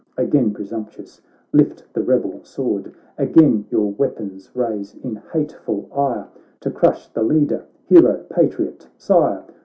Again presumptuous, lift the rebelsword, Again your weapons raise, in hateful ire, To crush the Leader, Hero, Patriot, Sire